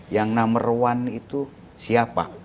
yang number one itu siapa